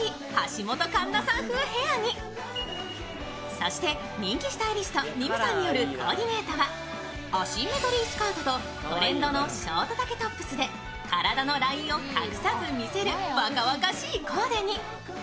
そして人気スタイリストＮＩＭＵさんによるコーディネートはアシンメトリースカートとトレンドのショート丈ポトップスで体のラインを隠さず見せる若々しいコーデに。